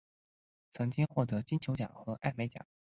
曾经获得金球奖和艾美奖。